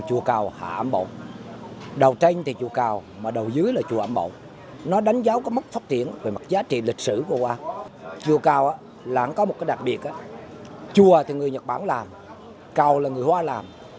chùa cầu là một cái đặc biệt chùa thì người nhật bản làm cầu là người hoa làm